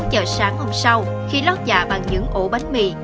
tám giờ sáng hôm sau khi lót dạ bằng những ổ bánh mì